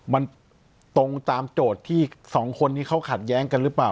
มันตรงตามโจทย์ที่สองคนนี้เขาขัดแย้งกันหรือเปล่า